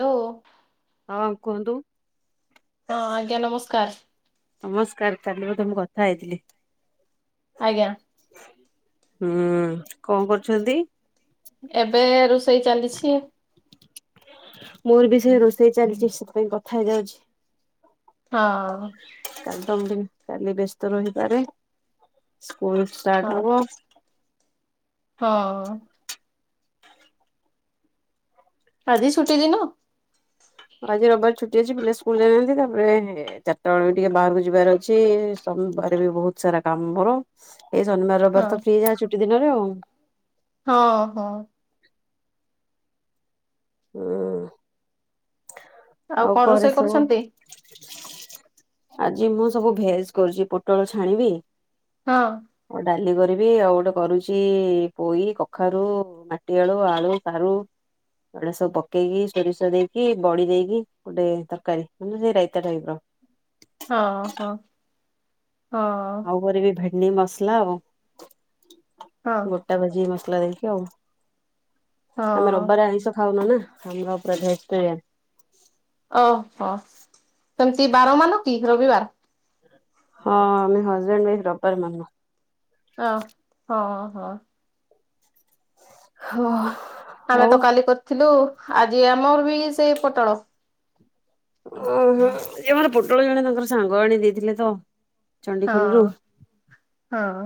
Hello ହଁ ହଁ କୁହନ୍ତୁ। ହଁ ଆଜ୍ଞା ନମସ୍କାର। ନମସ୍କାର, କାଲି ବୋଧେ ମୁଁ କଥା ହେଇଥିଲି? ଆଜ୍ଞା। ହୁଁ କଣ କରୁଚନ୍ତି? ଏବେ ରୋଷେଇ ଚାଲିଛି। ମୋର ବି ସେଇଆ ରୋଷେଇ ଚାଲିଛି, ସେଥିପାଇଁ କଥା ହେଇଯାଉଛି। ହଁ। କାଲି ତ ମୁଁ ତ କାଲି ବ୍ୟସ୍ତ ରହିପାରେ, ସ୍କୁଲ ହଁ। ଷ୍ଟାର୍ଟ ହବ। ହଁ। ଆଜିି ଛୁଟି ଦିିନ? ଆଜି ରବିବାର ଛୁଟି ଅଛି ପିଲା ସ୍କୁଲ ଯାଇନାହାନ୍ତି, ତାପରେ ଚାରିଟା ବେଳକୁ ବି ଟିକେ ବାହାରକୁ ଯିବାର ଅଛି। ସୋମବାର ବି ବହୁତ ସାରା କାମ ମୋର, ଏଇ ଶନିବାର ହଁ ରବିବାର ତ ଫ୍ରି ଯାହା ଛୁଟି ଦିନରେ ଆଉ। ହଁ- ହଁ। ହୁଁ। ଆଉ କଣ ଘରେ ରୋଷେଇ ସବୁ କରୁଛନ୍ତି? ଆଜି ମୁଁ ସବୁ ଭେଜ କରୁଚି, ପୋଟଳ ଛାଣିବି ହଁ। ହଁ ଡାଲି କରିବି ଆଉ ଗୋଟେ କରୁଛି ପୋଇ କଖାରୁ ମାଟି ଆଳୁ ଆଳୁ ସାରୁ ଏଡ ସବୁ ପକେଇକି ସୋରିଷ ଦେଇକି ବଡି ଦେଇକି ଗୋଟେ ତରକାରୀ ସେଇ ରାଇତା ଟାଇପ୍ ର। ହଁ ହଁ ହଁ। ଆଉ କରିବି ଭେଣ୍ଡି ମସଲା ଆଉ ହଁ ଗୋ ଟା ଭାଯିବି ମସଲା ଦେଇକି ଆଉ ଆମେ ହଁ ରବିବାରେ ଆଇଁଷ ଖାଉନା ନା। ହାଲୁଆ [unintelligible] ତେ ଓହୋ ସେମିତି ବାରମାନ କି ରବିବାର। ହଁ ଆମେ ହଜ୍ବେଣ୍ଟ ୱାଇଫ୍ ରବିବାର ମାନୁ। ଅ ହଁ ହଁ। ହ ଆମେ ତ କାଲି କରିଥିଲୁ ଆଜି ଆମର ବି ସେଇ ପୋଟଳ। ଓହୋ ସେ ମମର ପୋଟଳ ଜଣେ ତାଙ୍କର ସାଙ୍ଗ ଆଣି ଦେଇଥିଲେ ତ। ଚଣ୍ଡିଖୋଲରୁ ହଁ ହଁ।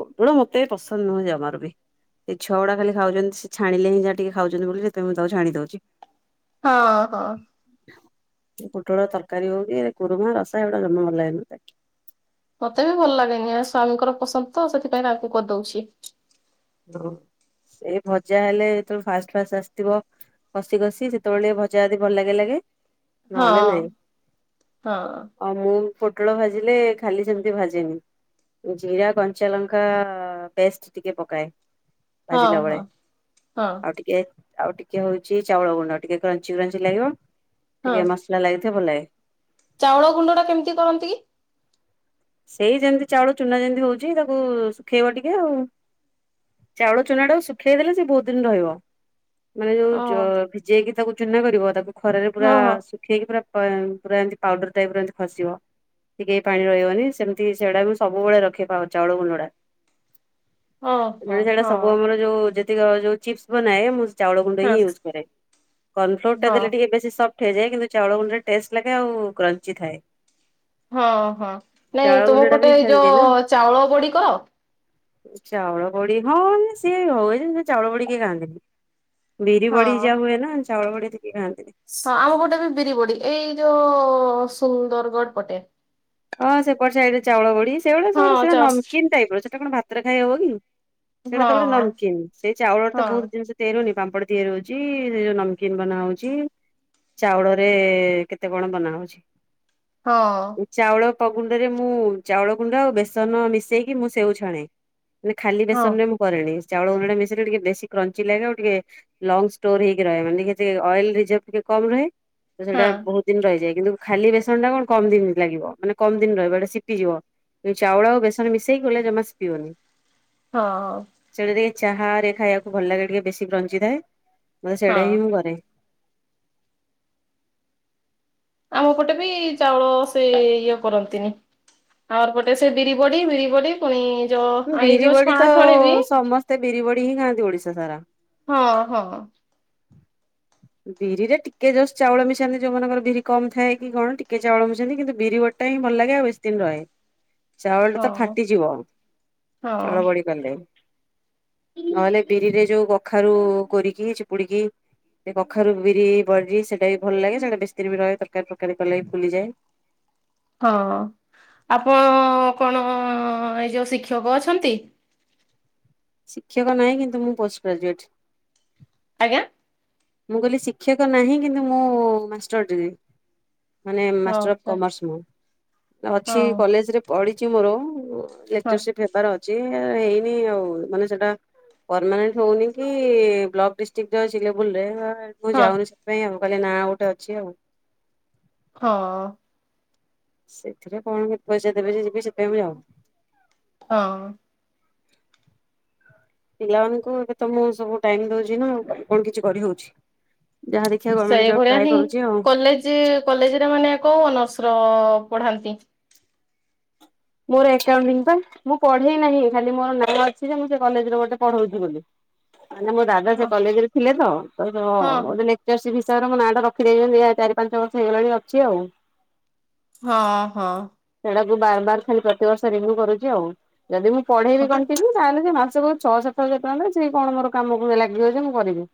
ପୋଟଳ ମତେ ବି ପସନ୍ଦ ନୁହେଁ ଜମାରୁ ବି। ଏ ଛୁଆ ଗୁଡା ଖାଲି ଖାଉଛନ୍ତି ସେ ଛାଣିଲେ ହିଁ ଯାହା ଟିକେ ଖାଉଛନ୍ତି ବୋଲି ସେଥିପାଇଁ ମୁଁ ତାକୁ ଛାଣି ଦଉଛି। ହଁ ହଁ। ପୋଟଳ ତରକାରୀ ହଉ କି କୁରୁମା ରସା ଏଇଗୁଡା ଜମା ଭଲ ଲାଗନି ମତେ। ମତେ ବି ଭଲ ଲାଗେନି ଆ ସ୍ଵାମୀଙ୍କର ପସନ୍ଦ ତ ସେଥିପାଇଁ ତାଙ୍କୁ କରିଦଉଛି। ଓ ସେ ଭଜା ହେଲେ ଯେତେବେଳେ ଫାଷ୍ଟ ଫାଷ୍ଟ ଆସିଥିବ କଷ କସିି ସେତେବେଳେ ଭଜା ଯଦି ଭଲ ଲାଗେ ଲାଗେ ନହେଲେ ହଁ। ନାଇଁ। ହଁ ଆ ମୁଁ ପୋଟଳ ଭାଜିଲେ ଖାଲି ସେମିତି ଭାଜେନି। ଜିରା କଞ୍ଚା ଲଙ୍କା ପେଷ୍ଟ ଟିକେ ପକାଏ। ହଁ ଭାଜିଲା ବେଳେ ହଁ ହଁ ଆଉ ଟିକେ ଆଉ ଟିକେ ହଉଛି ଚାଉଳ ଗୁଣ୍ଡ ଟିକେ କ୍ରଞ୍ଚି କଞ୍ଚି ଲାଗିବ ହଁ ଟିକେ ମସଲା ଲାଗିଥିବ ଭଲ ଲାଗେ। ଚାଉଳ ଗୁଣ୍ଡ ଟା କେମିତି କରନ୍ତି କି? ସେଇ ଯେମିତି ଚାଉଳ ଚୁନା ଯେମିତି ହଉଛି ତାକୁ ଶୁଖେଇବ ଟିକେ ଆଉ। ଚାଉଳ ଚୁନା ଟାକୁ ଶୁଖେଇ ଦେଲେ ସ ସେ ବହୁତ ଦିନ ରହିବ। ମାନେ ଓ ଯୋଉ ଭିଜେଇକି ତାକୁ ଚୁନା କରିବ ତାକୁ ଖରାରେ ପୁରା ହଁ ହଁ ଶୁଖେଇକି ପୁରା ପୁରା ଏମିତି ପାଉଡର ଟାଇପରେ ଏମିତି ଖସିବ ଟିକେ ଏ ପାଣି ରହିବନି ସେମିତି ସେଇଟା ବି ସବୁବେଳେ ରଖେ ଚାଉଳ ଗୁଣ୍ଡ ଗୁଡା। ହଁ ହଁ ସେଟା ହଁ ସବୁ ଆମର ଯୋଉ ଯେ ଯୋଉ ଚିପସ ବନାଏ ମୁଁ ଚାଉଳ ଗୁଣ୍ଡ ହଁ ହି ୟୁଜ କରେ କର୍ଣଫ୍ଲୋର ଟା ହଁ ଦେଲେ ଟିକେ ବେଶୀ ସ ହେଇଯାଏ କିନ୍ତୁ ଚାଉଳ ଗୁଣ୍ଡରେ ଟେଷ୍ଟ ଲାଗେ ଆଉ କ୍ରଞ୍ଚି ଥାଏ। ହଁ ହଁ ନାଇଁ ଚାଉଳ ତୁମ ଗୁଣ୍ଡଟା ବି ପଟେ ଏଇ ହେଲ୍ଦି ଯୋଉ ନା। ଚାଉଳ ବଡି କର? ଚାଉଳ ବଡି ହଁ ସିଏ ହୁଏ ସେ ଚାଉଳ ବଡି କେହି ଖାଆନ୍ତିନି। ବିରି ବଡି ହଁ ଯାହା ହୁଏ ନା ଚାଉଳ ବଡିଏତେ କେହି ଖାଆନ୍ତିନି। ଆମ ପଟେ ବି ବିରି ବଡି ଏଇ ଯୋଉ ସୁନ୍ଦରଗଡ଼ ପଟେ। ହଁ ସେପଟ ସାଇଡରେ ଚାଉଳ ବଢି ସେଇଭଳିଆ ସେଡ ହଁ ସୋ ଚ ନମକନ୍ ଟାଇପ ର ସେଟା କଣ ଭାତରେ ଖାଇ ହବ କି। ସେଇଟା ତ ଗୋଟେ ହଁ ନମକନ୍ ସେଇ ଚାଉଳରେ ତ ହଁ ବହୁତ ଜିନିଷ ତିଆରି ହୋଉନି ପାମ୍ପଡ଼ ତିଆରି ହଉଛି ଯୋଉ ନମକନ୍ ବନା ହଉଛି। ଚାଉଳରେ କେତେ କଣ ବନାହଉଛି। ହଁ। ଚାଉଳ ପ ଗୁଣ୍ଡରେ ମୁଁ ଚାଉଳ ଗୁଣ୍ଡ ଆଉ ବେସନ ମିଶେଇକି ମୁଁ ସେଉ ଚ୍ଛାଣେ ମାନେ ଖାଲି ହଁ ବେସନ ରେ ମୁଁ କରେନି ଚାଉଳ ଗୁଣ୍ଡ ଟା ମିଶେଇଲେ ଟିକେ ବେଶୀ କ୍ରଞ୍ଚି ଲାଗେ ଆଉ ଟିକେ ଲଙ୍ଗ ଷ୍ଟୋର ହେଇକି ରହେ ମାନେ ଅଏଲ ରିଜର୍ଭ ଟିକେ କମ ରହେ। ତ ହଁ ସେଇଟା ବହୁତ ଦିନ ରହିଯାଏ କିନ୍ତୁ ଖାଲି ବେସନ ଟା କଣ କମ ଦିନ। ଲାଗିବ ମାନେ କମ ଦିନ ରହିବ ଏଟା ସିପିଯିବ। ଏ ଚାଉଳ ଆଉ ବେସନ ମିଶେଇକି କଲେ ଜମା ସିପିବନି। ହଁ। ସେଇଟା ଟିକେ ଚାହା ରେ ଖାଇବାକୁ ଭଲ ଲାଗେ, ଟିକେ ବେଶୀ ବଞ୍ଚିଥାଏ ମତେ ସେଇଟା ହଁ ହିଁ ମୁଁ କରେ। ଆମ ପଟେ ବି ଚାଉଳ ସେ ଇଏ କରନ୍ତିନି। ଆଉର୍ ପଟେ ସେ ବିରି ବଡି ବିରି ବଡି। ପୁଣି ଯୋଉ ଆଇ ବିରି ଯୋଉ ବଡି ତ ଛଣା ଛୁଆଣ ବି। ସମସ୍ତେ ବିରି ବଡି ହିଁ ଖାଆନ୍ତି ଓଡିଶା ସାରା। ହଁ ହଁ। ବିରିରେ ଟିକେ ଜଷ୍ଟ ଚାଉଳ ମିଶାନ୍ତି ଯୋଉମାନଙ୍କର ବିରି କମ୍ ଥାଏ କି କଣ ଟିକେ ଚାଉଳ ମିଶାନ୍ତି, କିନ୍ତୁ ବିରି ବଡି ହି ଭଲ ଲାଗେ ଆ ବେଶ ଦିନ ରହେ। ହଁ। ଚାଉଳ ଟା ତ ଫାଟିଯିବ ଚାଉଳ ହଁ ବଡି ଲେ ନହେଲେ ବିରିରେ ଯୋଉ କଖାରୁ କୋରିକି ଚିପୁଡିକି ସେ କଖାରୁ ବିରି ବରି ସେଟା ବି ଭଲ ଲାଗେ ସେଇଟା ବେଶୀ ଦିନ ବି ରହେ ତରକାର ତରକାରୀ କଲେ ଫୁଲିଯାଏ। ହଁ ଆପଣ କଣ ଏଇ ଯୋଉ ଶିକ୍ଷକ ଅଛନ୍ତି? ଶିକ୍ଷକ ନାହିଁ କିନ୍ତୁ ମୁଁ ପୋଷ୍ଟ ଗ୍ରାଜୁଏଟ୍। ଆଜ୍ଞା। ମୁଁ କହିଲି ଶିକ୍ଷକ ନାହିଁ କିନ୍ତୁ ମୁଁ ମାଷ୍ଟର [unintelligible] ମାନେ ହଁ ମାଷ୍ଟର ସାର୍ କମର୍ସ ମୁ ଅଛି ହଁ କଲେଜରେ ପଢିଛି ମୋର ହଁ ଲଚରସିପ ହେବାର ଅଛି, ହେଇନି ଆଉ ମାନେ ସେଟା ପରମାନେଣ୍ଟ ହଉନି କି ବ୍ଲକ ଡିଷ୍ଟ୍ରିକ୍ଟ [unintelligible] ଭୁଲରେ ମୁଁ ହଁ ଯାଉନି ସେଥିପାଇଁ ଆଉ କାଲି ନାଁ ଗୋଟେ ଅଛି ଆଉ। ହଁ। ସେଥିରେ କଣ କେତେ ପଇସା ଦେବେ ଯେ ଯିବି ସେଥିପାଇଁ ଯାଉନି। ହଁ। ପିଲାମାନାନଙ୍କୁ ଏବେ ତ ମୁଁ ସବୁ ଟାଇମ ଦୋଉଚି ନା କଣ କିଛି କରିହଉଛି ଯାହା ଦେଖିଆ ଗମେଣ୍ଟ ଜବ ସେଇଭଳିଆ ଟ୍ରା ହିଁ କରୁଛି ଆଉ। କଲେଜ କଲେଜରେ ମାନେ କୋଉ ଅନର୍ସ ର ପ? [unintelligible] ମୋର [unintelligible] ମୁଁ ପଢେଇ ନାହିଁ ଖାଲି ମୋର ନାଁ ଅଛି ଯେ ମୁଁ ସେ କଲେଜରେ ଗୋଟେ ପଢ଼ୌଉଚି ବୋଲି। ମ ମୋ ଦାଦା ସେ ହଁ କଲେଜ ରେ ଥିଲେ ତ। ହଁ ମାନେ ଜର୍ସି ଭିସାବରେ ମୋ ନାଁ ଟ ରଖିଦେଇଛନ୍ତି ଚାରି ପାଞ୍ଚ ବର୍ଷ ହେଇଗଲାଣି ଅଛି ଆଉ। ହଁ ହଁ। ସେଇଟାକୁ ବାର ବାର ଖାଲି ପ୍ରତିିବର୍ଷ ରିଭିଉ କରୁଛି ଆଉ। ଯଦି ମୁଁ ପଢେଇବି ହଁ କଣ୍ଟିନିୁ ତାହଲେ ମାସକୁ ଛଅ ସାତ ସଏ କଣ ମୋର କାମକୁ ଲାଗିବଯେ ମୁଁ କରିବି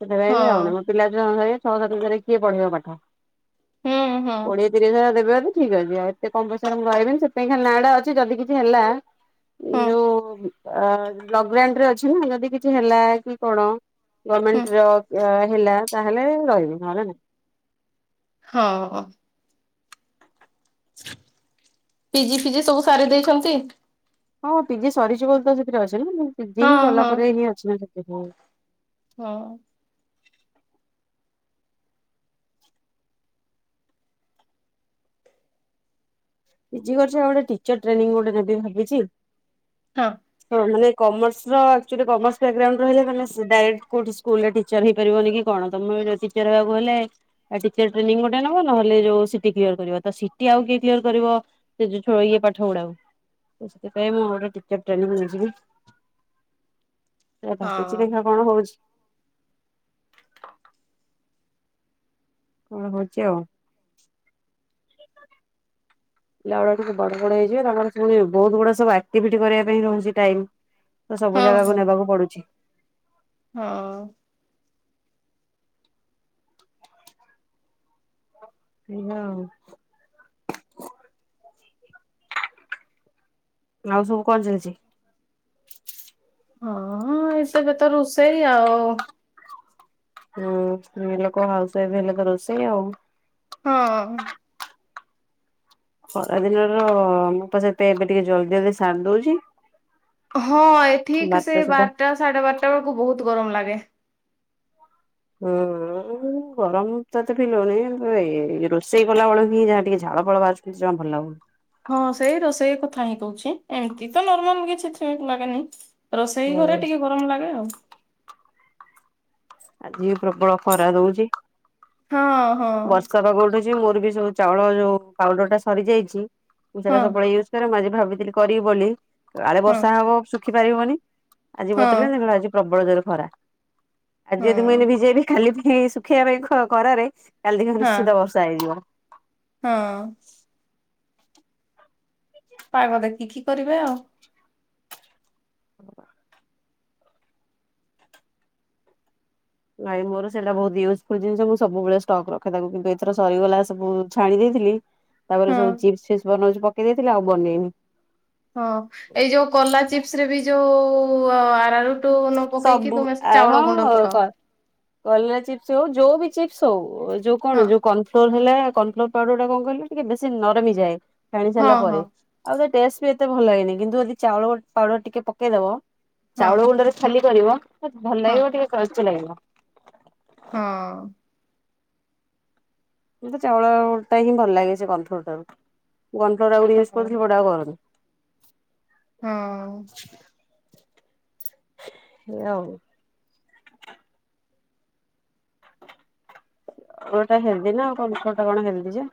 ସେଥିପାଇଁ ବି ଆଉ ହଁ [unintelligible] ପିଲା ଛୁଆ ଙ୍କୁ ଛାଡିକି ଛଅ ସାତରେ କିଏ ପଢେଇ ବ ପାଠ ହୁଁ ହୁଁ କୋଡ଼ି [unintelligible] ଦେବେ ଯଦି ଠିକ୍ ଅଛି ଆଉ ଏତେ କମ ପଇସାରେ ମୁଁ ରହିବିନି ସେଥିାଇଁ ଖାଲି ନାଁଟା ଅଛି ଯଦି କିଛି ହେଲା। ହୁଁ ଏ ଯୋଉ ଲଗରେ ଅଛି ନା ଯଦି କିଛି ହେଲା କି କଣ ଗମେଣ୍ଟ ହେଲା ତାହେଲେ ରହିବି [unintelligible] ହଁ। ପି ଜି ଫି ଜି ସବୁ ସାରି ଦେଇଛନ୍ତି? ହଁ ପିଜି ସରିଛି ବୋଲି ତ ସେଥିରେ ଅଛି ନା, ପିଜି ହିଁ ହଁ କଲା ହଁ ପରେ ହିଁ ଅଛି ନା ସେଥି [unintelligible] ହଁ। କରିଛ ଗୋଟେ ଟିଚର ଟ୍ରେନିଂ ଗୋଟେ ନବି ଭାବିଛି। ହଁ। ହଁ ମାନେ କମର୍ସ ଆକ୍ଚୁଆଲି କମର୍ସ ବ୍ୟାଗ୍ରାଉଣ୍ଡ ରହିଲେ ଡାଇକ୍ କୋଠି ସ୍କୁଲର ଚଚାର ହେଇପାରିବନି କି କଣ ତମେ ତିଚାର ହେବାକୁ ହେଲେ ଆଟିଚର ଟ୍ରେନିଂ ଗୋଟେ ନବ ନହଲେ ଯୋଉ ସଟି କ୍ଲିୟର କରିବାବ ତ ସି ଟି ଆଉ କିଏ କ୍ଲିୟର କରିବ ସେ ଛଏ ପାଠ ପଢଡାଉ ସେଥିପାଇଁ ମୁଁ ଗୋଟେ ଟିଚର ଟ୍ରେନିଂ ନେଇଯିବି। ହଁ ଦେଖିଆ କଣ ହୋଉଚି। [unintelligible] ପିଲା ଗୁଡ଼ାକ ସବୁ ବଡ଼ ବଡ ହେଇଯିବେ ତାଙ୍କର ପୁଣି ବହୁତ ଗୁଡେ ସବୁ ଆକ୍ଟିଭିଟି କରିବା ପାଇଁ ରହୁଛି ଟାଇମ। ତ ସବୁ ହଁ ଜାଗାକୁ ହଁ ନେବାକୁ ପଡୁଛି। ହଁ। ଏଇ ପା ଆଉ। ଆଉ ସବୁ କଣ ଚାଲିଛି? ହଁ ଏଇ ତ କେତେ ରୋଷେଇ ଆଉ। ହଁ ସ୍ତ୍ରୀ ଲୋକ ହାଉସ ୱାଇଫ ହେଲେ ତ ରୋଷେଇ ଆଉ। ହଁ। ଖରାଦିନର ମୁଁ ପା ସେଥିପାଇ ଏବେ ଟିକେ ଜଲଦି ଜଲଦି ସାରି ଦଉଛି। ହଁ ଏ ଠିକି ସେ ବାରଟା ସାଢେ ବାରଟା ବେଳକୁ ବହୁତ ଗରମ ଲାଗେ। ହୁଁ। ଉ ଗରମ ତ ଏତେ ଫିଲ‌ ହଉନି ଏ ଇଏ ରୋଷେଇ କଲାବେଳକୁ ହିଁ ଯାହା ଟିକେ ଝାଳ ଫାଳ ବାହାରୁଛି ମତେ ଜମା ଭଲ ଲାଗୁନି। ହଁ ସେଇ ରୋଷେଇ କଥା ହିଁ କହୁଛି ଏମିତି ତ ନର୍ମାଲ କିଛି ଏତେ ଲାଗେନି। ରୋଷେଇ ଘରେ ଟିକେ ଗରମ ଲାଗେ ଆଉ। ଆଜି ବି ପ୍ରବଳ ଖରା ଦଉଛି ହଁ ହଁ ବର୍ଷା ପାଗ ଉଠ ଚି ମୋର ବି ସବୁ ଚାଉଳ ଯୋଉ ପାଉଡର ଟା ସରି ଯାଇଛି ମୁଁ ସେଟା ହଁ ସବୁବେଳେ ୟୁଜ କରେ ମୁଁ ଆଜି ଭାବଥିଲି। କରିବି ବୋଲି କାଳେ ହଁ। ବର୍ଷା ହବ ଶୁଖି ପାରିବନି। ଆଜି ହଁ ବତୁରେଇବିନି ଦେଖିଲା ଆଜି ପ୍ରବଳ ଜୋରେ ଖରା। ଆଜି ଯଦି ମୁଁ ଏଇନେ ହଁ ଭିଜେଇବି କାଲି ପାଇଁ ଶୁଖେଇବା ପାଇଁ ଖ-ଖରାରେ କାଲି ଦେଖିବ ହଁ ନିଶ୍ଚିତ ବର୍ଷା ହେଇଯିବ। ହଁ। ପାଗ ଦେଖିକି କରିବେ ଆଉ। ନାଇଁ ମୋର ସେଇଟା ବହୁତ ୟୁଜ୍ଫୁଲ ଜିନିଷ ମୁଁ ସବୁବେଳେ ଷ୍ଟକ୍ ରଖେ ତାକୁ କିନ୍ତୁ ଏଥର ସରିଗଲା ସବୁ ଛାଣି ଦେଇଥିଲି। ତାପରେ ହଁ। ସବୁ ଚିପସ ଫିପସ ବନଉଛି ପକେଇ ଦେଇଥିଲି ଆଉ ବନେଇନି। ହଁ ଏଇ ଯୋଉ କଲା ଚିପ୍ସ ରେ ବି ଯୋଉ ଅ ଆରା ରୁ ଟୁ ନ ପକେଇକି ସବୁ ତୁମେ ସେ ଆ ଚାଉଳ ଗୁଣ୍ଡ ହଁ କ ପକାଅ। କଲରା ଚିପ୍ସ ହଉ ଯୋଉ ବି ଚିପ୍ସ ହଉ ଉ ଏ ଯୋଉ କଣ ଯୋଉ। ହଁ କନଫ୍ଲୋର ହେଲା କନଫ୍ଲୋର ପାଉଡର ଟା କଣ କହିଲ ଟିକେ ବେଶୀ ନରମ ହେଇଯାଏ ଛାଣି ସାରିଲା ହଁ ପରେ। ଆଉ ତା ଟେଷ୍ଟ ବି ଏତେ ଭଲ ଲାଗେନି କିନ୍ତୁ ଯଦି ଚାଉଳ ପାଉଡର ଟିକେ ପକେଇଦବ ହଁ ଚାଉଳ ଗୁଣ୍ଡରେ। ଖାଲି କରିବ ତ ଭଲ ହଁ ଲାଗିବ ଟିକେ କଚା ଲାଗିବ। ହଁ। ମୋତେ ଚାଉଳଟା ହିଁ ଭଲ ଲାଗେ ସେ କନଫ୍ଳୋର ଠାରୁ। କନଫ୍ଲୋର ଆଗରୁ ହଁ ୟୁଜ୍ ହଁ କରୁଥିଲି ବଟ ଆଉ କରୁନି। ହଁ। ଏଇୟା ଆଉ। ଚାଉଳ ଟା ହେଲଦି ନା ଆଉ କନଫ୍ଲୋର ଟା କଣ ହେଲଦି ଯେ।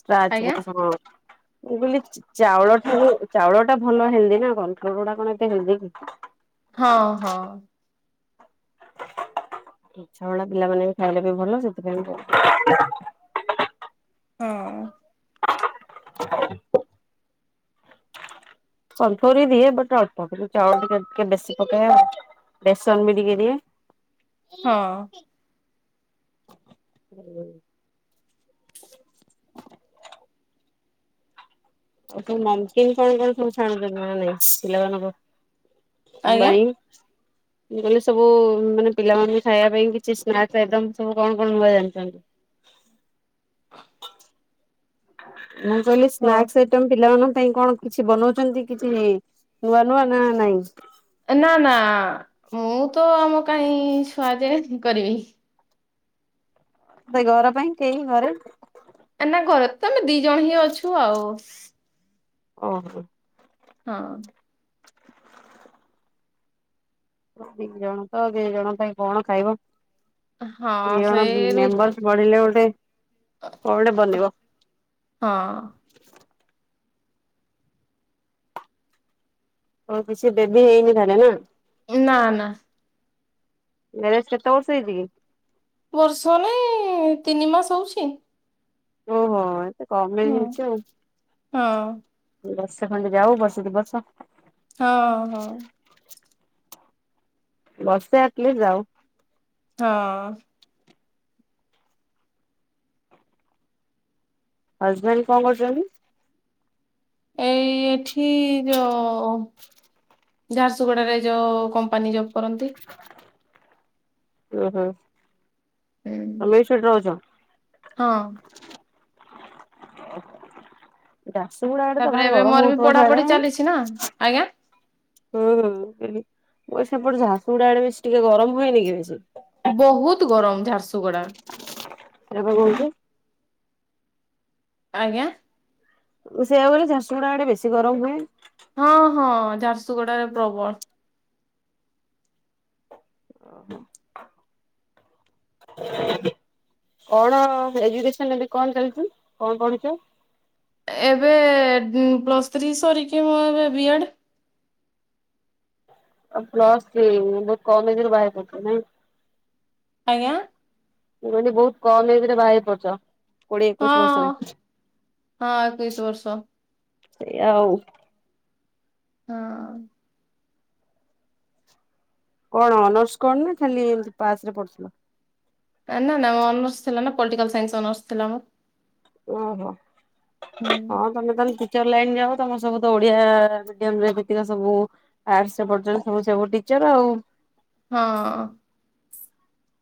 ଷ୍ଟ୍ରାଚ ଆଜ୍ଞା [unintelligible] ହଁ। ମୁଁ କହିଲି ଚ-ଚାଉଳ ଠାରୁ ଚାଉଳ ଟା ଭଲ ହେଲଦି ନା କନଫ୍ଲୋର ଗୁଡ଼ା କଣ ଏତେ ହେଲଦି କି। ହଁ ହଁ। [unintelligible] ଗୁଡ଼ା ପିଲାମାନେ ବି ଖାଇଲେ ବି ଭଲ ସେଥିପାଇଁ ମୁଁ ହଁ। ହ। କନଫ୍ଲୋର ବି ଦିଏ ବଟ ଅଳ୍ପ କିନ୍ତୁ ଚାଉଳ ଟିକେ ଟିକେ ବେଶୀ ପକାଏ ବେସନ ବି ଟିକେ ଦିଏ। ହଁ। ହୁଁ। ଆଉ ତୁ ନମକିନ୍ କଣ କଣ ସବୁ ଛାଣୁଛୁ ନା ନାଇ ପିଲାମାନଙ୍କୁ? ପାଇଁ। ହ ମୁଁ କହିଲି ସବୁ ମାନେ ପିଲାମାନେ ଖାଇଆ ପାଇଁ କିଛି ସ୍ନାକ୍ସ ଆଇଟମ୍ ସବୁ କଣ କଣ ନୂଆ ଜାଣିଚନ୍ତି? ମୁଁ କହିଲି ହଁ ସ୍ନାକ୍ସ ଆ ଟମ୍ ପିଲାମାନଙ୍କ ପାଇଁ କଣ କିଛି ବନଉଚନ୍ତି କିଛି ନୂଆ ନୂଆ ନା ନାଇଁ। ନା ନା ମୁଁ ତ ଆମ କାଇଁ ସୁୁଆଦିଆ କରିବି। ବା ଘର ପାଇଁ କେହି ଘରେ ନା ଘରେ ତ ଆମେ ଦିଜଣ ହିଁ ଅଛୁ ଆଉ। ଓ ହୋ। ହଁ। ଦି ଜଣ ତ ଦି ଜଣ ପାଇଁ କଣ ଖାଇବ ଦି ହଁ ଜଣ ସେଇ ରୁ ମେମ୍ବର ବଢିଲେ ଗୋଟେ କଣ ଗୋଟେ ବନିବ। ହଁ। ଆଉ କିଛି ବେବି ହେଇନି ତାହେଲେ ନା? ନା ନା। ମ୍ୟାରେଜ କେତେବର୍ଷ ହେଇଚି କି? ବର୍ଷ ନାଇଁ ତିନି ମାସ ହଉଛି। ଓ ହୋ ଏତେ କମେଇ ହୁଁ। ହେଇଚି ଆଉ। ହଁ ବର୍ଷେ ଖଣ୍ଡେ ଯାଉ ବର୍ଷେ ଦି ବର୍ଷ। ହଁ ହଁ। ବର୍ଷେ ଆଟଲି ଯାଉ। ହଁ। ହଜବେଣ୍ଡ କଣ କରୁଚନ୍ତି? ଏଇ ଏଠି ଯୋ ଝାରସୁଗୁଡାରେ ଯୋଉ କମ୍ପାନୀ ଜବ୍ କରନ୍ତି। ଓ ହୋ ହୁଁ। ତମେ ବି ସେଟି ରହୁଚ। ହଁ। ଓ ଝାସୁଗୁଡା ଆଡେ ତ ତାପରେ ଭାରି ଏବେ ଗରମ ମୋର ବି ହଉଥିବ ପଢାପଢି ଚାଲିଛି ନା ସାଡେ। ଆଜ୍ଞା ହୁଁ ହୁଁ ମୁଁ ସେପଟେ ଝାସୁଗୁଡା ଆଡେ ବେଶୀ ଟିକେ ଗରମ ହୁଏନି କି ବେଶି। ବହୁତ ଗରମ ଝାରସୁଗୁଡା। ରେବେ କୋଉଠି? ଆଜ୍ଞା। ମୁଁ ସେଇଆ କହିଲି ଝାରସୁଗୁଡା ଆଡେ ବେଶୀ ଗରମ ହୁଏ। ହଁ ହଁ ଝାରସୁଗୁଡାରେ ପ୍ରବଳ। ଅ ହ। କଣ ଏଜୁକେସନ ଏବେ କଣ ଚାଲିଚି କଣ ପଢୁଚ? ଏବେ ଉଁ ପ୍ଲସ୍ ଥ୍ରୀ ସରିକି ମୁଁ ଏବେ ବି ଏଡ୍। ପ୍ଲସ ଥ୍ରି ବହୁତ କମ୍ ଏଜରେ ବାହା ହେଇପଡିଚ ନାଇଁ। ଆଜ୍ଞା। ମୁ କହିଲି ବହୁତ କମ୍ ଏଜ ରେ ବାହା ହେଇପଡିଚ। କୋଡିଏ ଏକୋଇଶି ହଁ ହଁ ବର୍ଷରେ ଏକୋଇଶି ବର୍ଷ ସେଇଆ ଆଉ। ହଁ। କଣ ଅନର୍ସ କଣ ନା ଖାଲି ଏମତି ପାସ୍ ରେ ପଢୁଥିଲ? ନା ନା ଅନର୍ସ ଥିଲା ନା ପଲିଟିକାଲ ସାଇନ୍ସ ଅନର୍ସ ଥିଲା ମୋର। ଓ ହଁ ହୁଁ ହଁ। ତମେ ତାହାଲେ ଟିଚର ଲାଇନ ଯାଅ ତମର ସବୁ ତ ଓଡିଆ ମିଡିୟମରେ ଏବେତିକ ସବୁ ଆର୍ଶ ପଢୁଚନ୍ତି ସବୁ ସବୁ ଟିଚର ଆଉ। ହଁ।